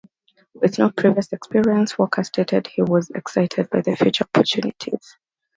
With no previous experience, Walker stated he was excited by the future opportunities.